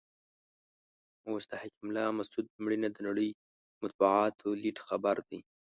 اوس د حکیم الله مسود مړینه د نړۍ د مطبوعاتو لیډ خبر دی.